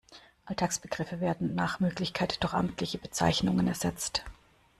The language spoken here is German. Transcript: Alltagsbegriffe werden nach Möglichkeit durch amtliche Bezeichnungen ersetzt.